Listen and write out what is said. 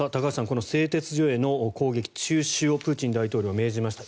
この製鉄所への攻撃中止をプーチン大統領が命じました。